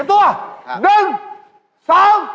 ทง